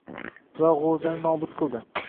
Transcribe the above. Va g‘o‘zani nobud qildi.